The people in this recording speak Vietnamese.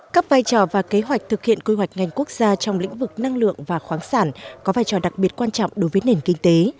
các vai trò và kế hoạch thực hiện quy hoạch ngành quốc gia trong lĩnh vực năng lượng và khoáng sản có vai trò đặc biệt quan trọng đối với nền kinh tế